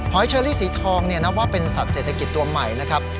เชอรี่สีทองเนี่ยนับว่าเป็นสัตว์เศรษฐกิจตัวใหม่นะครับ